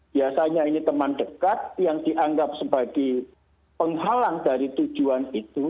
biasanya ini teman dekat yang dianggap sebagai penghalang dari tujuan itu